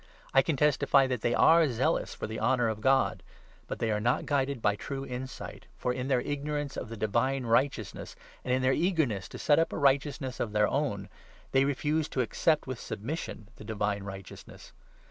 I can testify that they are zealous for the 2 honour of God ; but they are not guided by true insight, for, in their ignorance of the Divine Righteousness, and in 3 their eagerness to set up a righteousness of their own, they refused to accept with submission the Divine Righteousness.